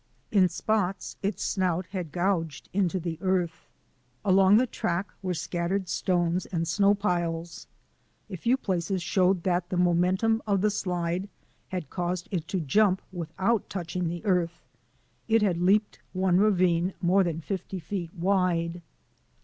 In spots its snout had gouged into the earth. Along the track were scattered stones and snow piles. A few places showed that the momentum of the slide had caused it to jump without touching the earth. It had leaped one ravine more than fifty feet wide.